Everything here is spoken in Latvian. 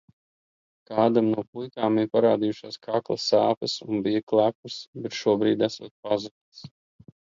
Kādam no puikām ir parādījušās kakla sāpes un bija klepus, bet šobrīd esot pazudis.